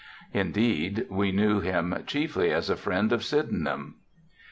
Indeed, we knew him chiefly as a friend of Sydenham.